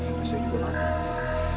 masih gue mati